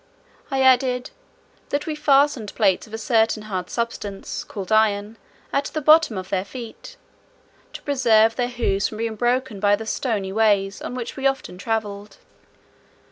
I added, "that we fastened plates of a certain hard substance, called iron, at the bottom of their feet, to preserve their hoofs from being broken by the stony ways, on which we often travelled."